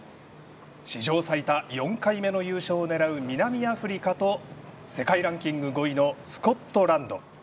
史上最多４回目の優勝を狙う南アフリカと世界ランキング５位のスコットランド。